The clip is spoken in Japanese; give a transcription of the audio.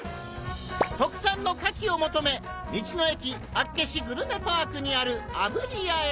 特産の「カキ」を求め道の駅『厚岸グルメパーク』にある『炙屋』へ！